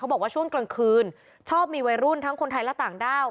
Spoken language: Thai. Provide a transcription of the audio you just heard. บอกว่าช่วงกลางคืนชอบมีวัยรุ่นทั้งคนไทยและต่างด้าว